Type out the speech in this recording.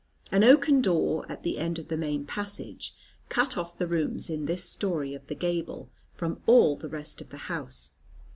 An oaken door, at the end of the main passage, cut off the rooms in this storey of the gable from all the rest of the house.